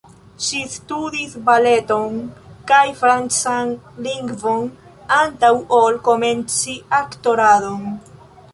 Ŝi studis baleton kaj francan lingvon antaŭ ol komenci aktoradon.